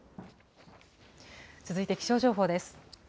続いて気象情報です。